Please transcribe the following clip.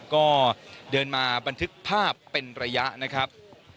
ก็เดินมาบันทึกภาพเป็นระยะนะครับ